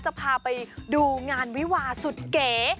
จะพาไปดูงานวิวาสุดเก๋